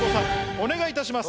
お願いいたします。